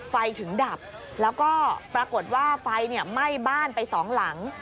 ไฟถึงดับแล้วก็ปรากฏว่าไฟไหม้บ้านไปสองหลัง